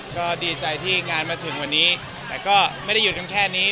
ก็ดีใจที่งานมาถึงวันนี้แต่ก็ไม่ได้หยุดกันแค่นี้